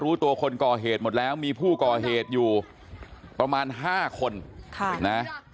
รู้ตัวคนก่อเหตุหมดแล้วมีผู้ก่อเหตุอยู่ประมาณ๕คนค่ะนะ